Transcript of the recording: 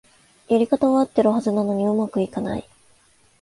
やり方はあってるはずなのに上手くいかない